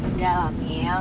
enggak lah miel